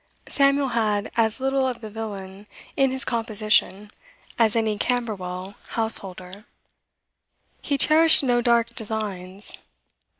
Samuel had as little of the villain in his composition as any Camberwell householder. He cherished no dark designs.